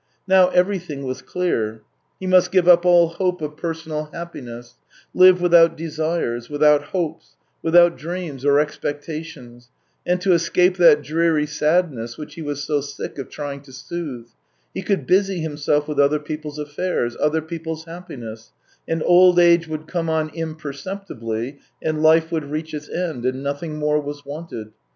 Now everything was clear; he must give up all hope of personal happi ness, live without desires, without hopes, without dreams, or expectations, and to escape that dreary sadness which he was so sick of trying to soothe, he could busy himself with other people's affairs, other people's happiness, and old age would come on imperceptibly, and life would reach its end — and nothing more was wanted.